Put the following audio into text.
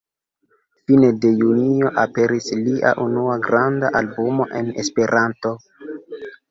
Fine de junio aperis lia unua granda albumo en Esperanto.